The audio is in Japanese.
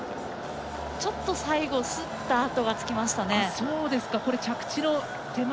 ちょっと最後すった跡がつきました。